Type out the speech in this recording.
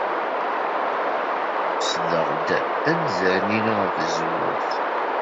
Ssdeɣ-d anzaren-inu ɣef tzewwut.